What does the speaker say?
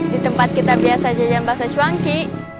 di tempat kita biasa jajan bahasa chuangki